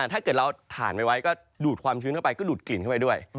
ถ้าเกิดเราถ่านไว้ก็ดูดความชื้นเข้าไปก็ดูดกลิ่นเข้าไปด้วย